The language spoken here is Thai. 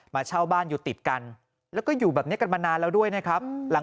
เช่าบ้านอยู่ติดกันแล้วก็อยู่แบบนี้กันมานานแล้วด้วยนะครับ